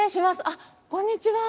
あっこんにちは。